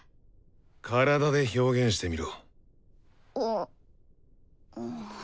体で表現してみろ。